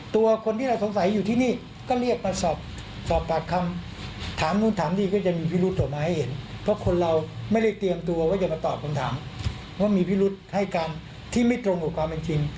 ตัวคนที่เราสงสัยอยู่ที่นี่ก็เรียกมาสอบปากคำถามนู่นถามนี่ก็จะมีพิรุธต่อมาให้เห็นเพราะคนเราไม่ได้เตรียมตัวว่าจะมาตอบคำถามว่ามีพิรุษให้การที่ไม่ตรงกับความเป็นจริง